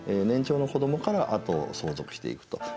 年長の子どもから後を相続していくと。